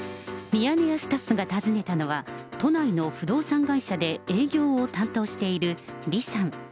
ミヤネ屋スタッフが訪ねたのは、都内の不動産会社で営業を担当している李さん。